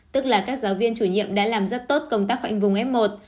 tức là các giáo viên chủ nhiệm đã làm rất tốt công tác khoanh vùng f một